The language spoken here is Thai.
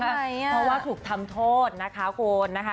เพราะว่าถูกทำโทษนะคะคุณนะคะ